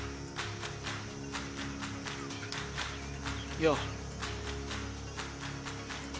よう。